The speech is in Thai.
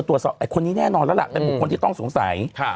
ไอ้คนนี้แน่นอนแล้วล่ะเป็นบุคคลที่ต้องสงสัย